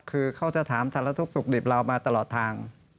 คือเขาจะถามสารทุกข์สุขดิบเรามาตลอดทาง